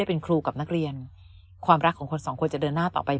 เป็นครูกับนักเรียนความรักของคนสองคนจะเดินหน้าต่อไป